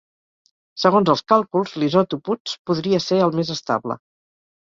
Segons els càlculs l'isòtop Uts podria ser el més estable.